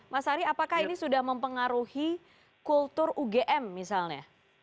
mas ari apakah ini sudah mempengaruhi kultur ugm misalnya